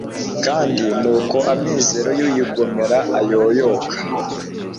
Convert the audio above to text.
kandi ni uko amizero y'uyigomera ayoyoka